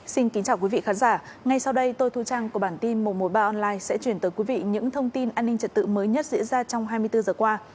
xin kính chào quý vị khán giả ngay sau đây tôi thu trang của bản tin một trăm một mươi ba online sẽ chuyển tới quý vị những thông tin an ninh trật tự mới nhất diễn ra trong hai mươi bốn giờ qua